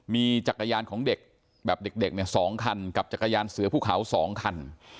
มีจักรยานของเด็กแบบเด็กเนี่ย๒คันกับจักรยานเสือภูเขา๒คัน